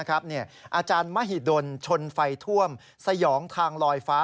อาจารย์มหิดลชนไฟท่วมสยองทางลอยฟ้า